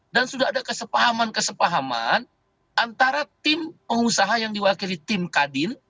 dan sudah ada kesepahaman kesepahaman antara tim pengusaha yang diwakili tim kadin